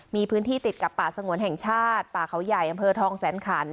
มีพื้นที่ติดกับป่าสงวนแห่งชาติป่าเขาใหญ่อำเภอทองแสนขัน